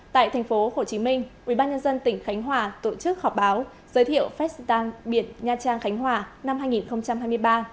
tại tp hcm ubnd tỉnh khánh hòa tổ chức họp báo giới thiệu festang biển nha trang khánh hòa năm hai nghìn hai mươi ba